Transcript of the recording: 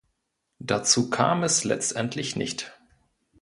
Dazu kam es letztendlich nicht.